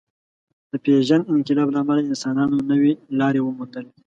د پېژاند انقلاب له امله انسانانو نوې لارې وموندلې.